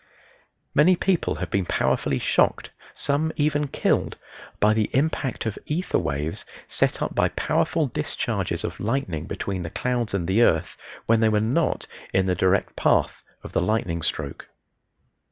Many people have been powerfully "shocked" some even killed by the impact of ether waves set up by powerful discharges of lightning between the clouds and the earth when they were not in the direct path of the lightning stroke.